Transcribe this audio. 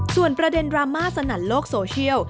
ส่วนประเด็นดราม่าสนั่นโลกโซเชียล